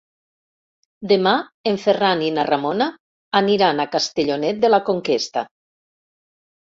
Demà en Ferran i na Ramona aniran a Castellonet de la Conquesta.